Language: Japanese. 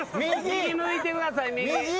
右向いてください右。